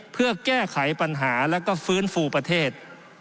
เพื่อแก้ไขปัญหาแล้วก็ฟื้นฟูประเทศ